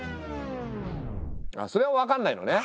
それは分かんないのね。